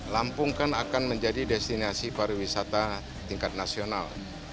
lampung kan akan menjadi destinasi para wisata tingkat nasional